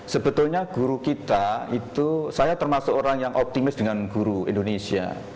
sebetulnya guru kita itu saya termasuk orang yang optimis dengan guru indonesia